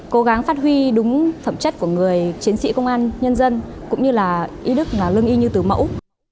cố gắng phát huy đúng thẩm chất của người chiến sĩ công an nhân dân cũng như là ý đức là lưng y như tử mẫu